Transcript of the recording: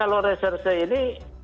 kalau reserse ini